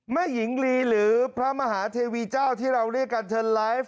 หญิงลีหรือพระมหาเทวีเจ้าที่เราเรียกกันเชิญไลฟ์